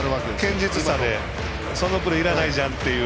堅実さで、そのプレーいらないじゃんっていう。